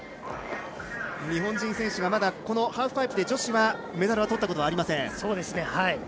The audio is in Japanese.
日本人選手はまだハーフパイプで女子はメダルをとったことがありません。